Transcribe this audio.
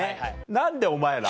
何でお前ら？